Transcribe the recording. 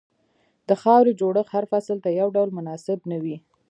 د خاورې جوړښت هر فصل ته یو ډول مناسب نه وي.